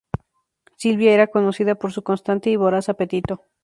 Sylvia era conocida por su constante y voraz apetito.